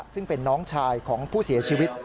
ซึ่งเป็นน้องชายของผู้เสียชีวิต